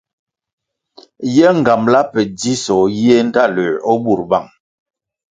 Ye ngambala pe dzisoh yiéh ndtaluer o bur bang.